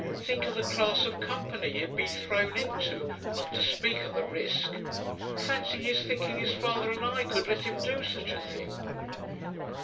Think of the class of company he'd be thrown into, not to speak of the risk. Fancy his thinking his father and I could let him do such a thing.'